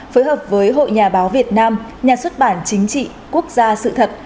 phối hợp với hội nhà báo việt nam nhà xuất bản chính trị quốc gia sự thật